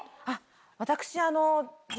私。